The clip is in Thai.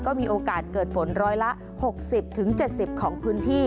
ก็มีโอกาสเกิดฝนร้อยละ๖๐๗๐ของพื้นที่